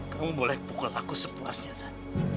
kamu boleh pukul aku sepuasnya zan